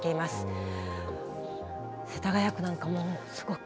世田谷区なんかもすごく。